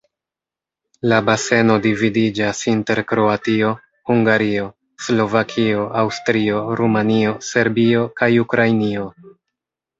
La baseno dividiĝas inter Kroatio, Hungario, Slovakio, Aŭstrio, Rumanio, Serbio kaj Ukrainio.